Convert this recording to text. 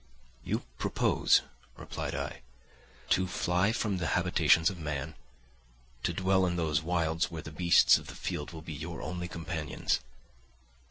"You propose," replied I, "to fly from the habitations of man, to dwell in those wilds where the beasts of the field will be your only companions.